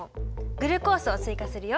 グルコースを追加するよ。